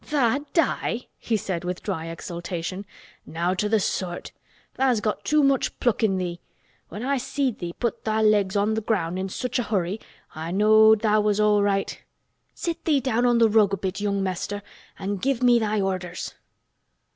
"Tha' die!" he said with dry exultation. "Nowt o' th' sort! Tha's got too much pluck in thee. When I seed thee put tha' legs on th' ground in such a hurry I knowed tha' was all right. Sit thee down on th' rug a bit young Mester an' give me thy orders."